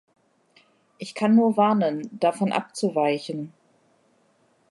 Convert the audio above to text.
Ich kann nur warnen, davon abzuweichen!